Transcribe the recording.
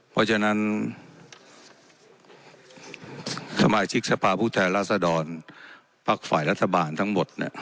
เพราะฉะนั้นสมาชิกสภาพผู้แทนราษดรภักดิ์ฝ่ายรัฐบาลทั้งหมดเนี่ย